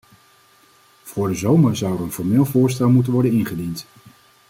Voor de zomer zou er een formeel voorstel moeten worden ingediend.